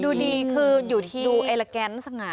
ดูดีคืออยู่ที่ดูไอลาแกนสง่า